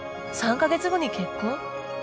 ３か月後に結婚？